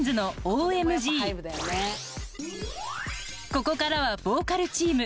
ここからはボーカルチーム。